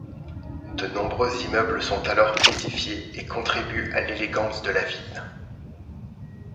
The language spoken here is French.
De nombreux immeubles sont alors édifiés et contribuent à l'élégance de la ville.